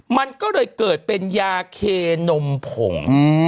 มันก็เลยเกิดเป็นยาเคนมผง